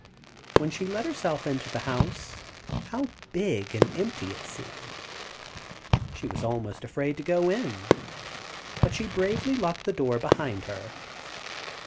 When she let herself into the house, how big and empty it seemed! She was almost afraid to go in, but she bravely locked the door behind her.